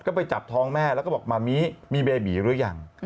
ก็ไปจับท้องแม่แล้วก็บอกมามิมีเบบีหรือยัง